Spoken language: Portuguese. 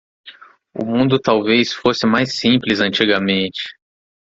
O mundo talvez fosse mais simples antigamente